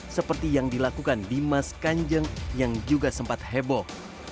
seperti yang dilakukan dimas kanjeng yang juga sempat heboh